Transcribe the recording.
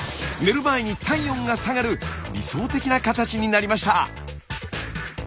寝る前に体温が下がる理想的な形になりました。